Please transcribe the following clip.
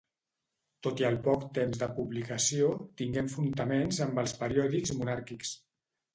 Tot i el poc temps de publicació, tingué enfrontaments amb els periòdics monàrquics.